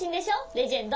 レジェンド。